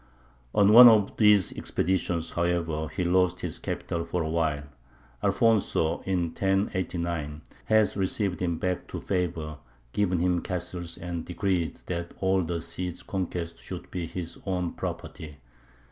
On one of these expeditions, however, he lost his capital for a while. Alfonso, in 1089, has received him back to favour, given him castles, and decreed that all the Cid's conquests should be his own property.